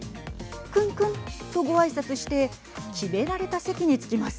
くんくんとごあいさつして決められた席に着きます。